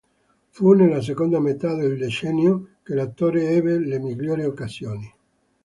Fu nella seconda metà del decennio che l'attore ebbe le migliori occasioni.